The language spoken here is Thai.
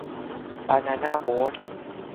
บานาน่าโบ๊ท